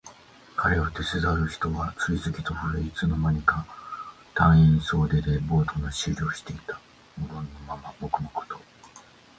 彼を手伝う人は次々と増え、いつの間にか隊員総出でボートの修理をしていた。無言のまま黙々と。